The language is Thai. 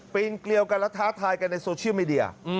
เกลียวกันและท้าทายกันในโซเชียลมีเดีย